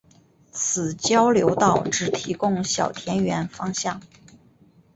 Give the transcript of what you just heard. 此交流道只提供小田原方向。